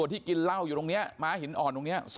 เป็นเล่าอยู่ตรงเนี้ยม้าหินอ่อนตรงเนี้ย